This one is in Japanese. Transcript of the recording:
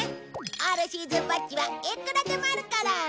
オールシーズンバッジはいくらでもあるから。